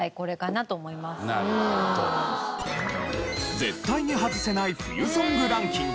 絶対にハズせない冬ソングランキング。